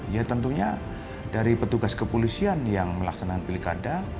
ya tentunya dari petugas kepolisian yang melaksanakan pilkada